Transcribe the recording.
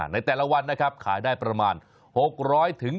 ในแต่ละวันนะครับขายได้ประมาณ๖๐๐บาท